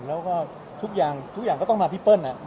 แล้วก็ทุกอย่างก็ต้องมาที่เปิ้ล